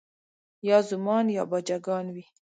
یا زومان یا باجه ګان وي